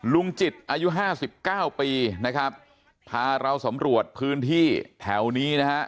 ลุงจิตอายุ๕๙ปีนะครับพาเราสำรวจพื้นที่แถวนี้นะฮะ